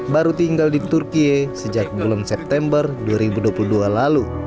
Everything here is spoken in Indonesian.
baru tinggal di turkiye sejak bulan september dua ribu dua puluh dua lalu